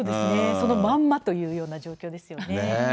そのまんまというような状況ですよね。